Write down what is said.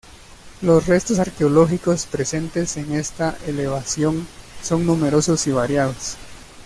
Los restos arqueológicos presentes en esta elevación son numerosos y variados.